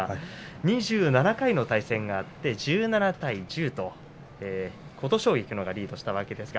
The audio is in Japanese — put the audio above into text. ２７回の対戦があって１７対１０と琴奨菊のほうがリードしていました。